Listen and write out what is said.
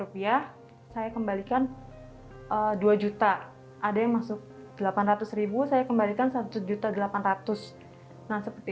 rupiah saya kembalikan dua juta ada yang masuk delapan ratus saya kembalikan satu juta delapan ratus nah seperti